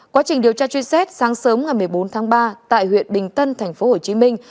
quá trình điều tra truy xét sáng sớm ngày một mươi bốn tháng ba tại huyện bình tân thành phố hồ chí minh